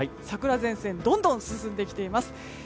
桜前線どんどん進んできています。